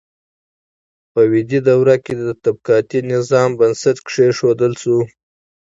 په ویدي دوره کې د طبقاتي نظام بنسټ کیښودل شو.